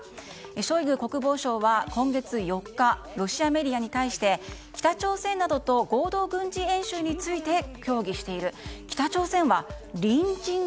ショイグ国防相は今月４日ロシアメディアに対して北朝鮮などと合同軍事演習について協議している。